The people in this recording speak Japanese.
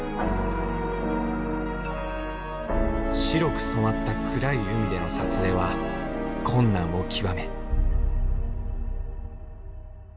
白く染まった暗い海での撮影は困難を極め。